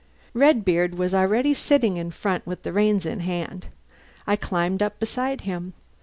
Redbeard was already sitting in front with the reins in hand. I climbed up beside him.